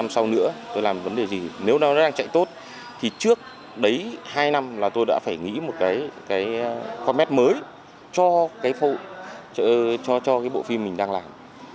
mới cho cái bộ phim mình đang làm